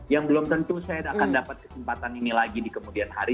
yang belum tentu saya akan dapat kesempatan ini lagi di kemudian hari